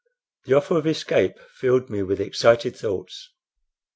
The offer of escape filled me with excited thoughts.